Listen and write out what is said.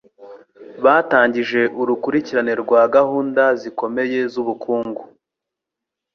Batangije urukurikirane rwa gahunda zikomeye zubukungu.